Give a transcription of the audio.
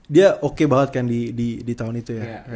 dia oke banget kan di tahun itu ya